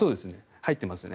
入っていますね。